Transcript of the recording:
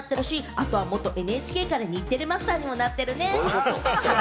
あとは元ＮＨＫから日テレマスターにもなってるね。